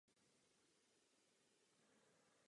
Hodně mých voličů se o tomto problému zmínilo.